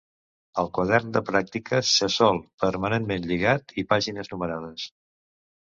El quadern de pràctiques se sol permanentment lligat i pàgines numerades.